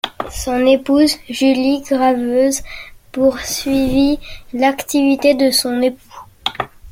Son épouse Julie, graveuse, poursuivit l'activité de son époux.